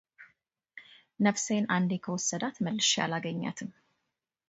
ነፍሴን አንዴ ከወሰዳት መልሼ አላገኛትም፡፡